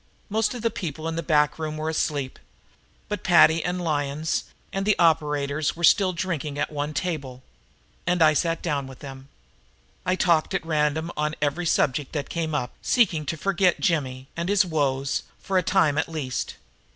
Most of the people in the back room were asleep, but Paddy and Lyons and the operators were still drinking at one table, and I sat down with them. I talked at random on every subject that came up, seeking to forget Jimmy and his woes, for a time at least.